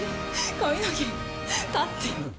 髪の毛が立ってる。